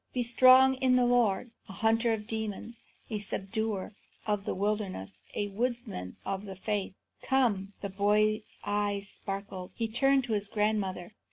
Be strong in the Lord, a hunter of the demons, a subduer of the wilderness, a woodsman of the faith. Come!" The boy's eyes sparkled. He turned to his grandmother.